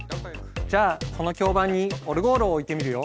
じゃあこの響板にオルゴールを置いてみるよ。